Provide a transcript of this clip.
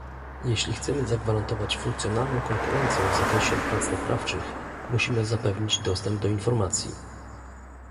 Jeśli chcemy zagwarantować funkcjonalną konkurencję w zakresie prac naprawczych, musimy zapewnić dostęp do informacji